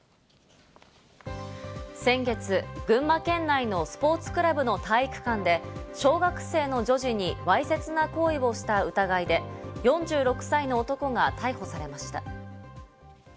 先月、群馬県内のスポーツクラブの体育館で小学生の女児にわいせつな行為をした疑いで４６歳の男が逮捕されました。